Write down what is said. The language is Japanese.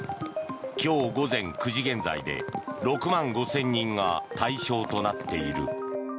今日午前９時現在で６万５０００人が対象となっている。